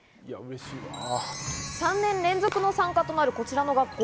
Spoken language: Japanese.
３年連続の参加となるこちらの学校。